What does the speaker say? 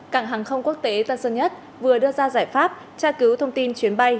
cảng hàng không quốc tế tân sơn nhất vừa đưa ra giải pháp tra cứu thông tin chuyến bay